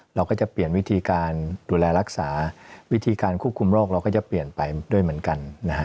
เราก็จะเปลี่ยนวิธีการดูแลรักษาวิธีการควบคุมโรคเราก็จะเปลี่ยนไปด้วยเหมือนกันนะฮะ